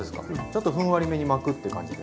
ちょっとふんわりめに巻くっていう感じですか？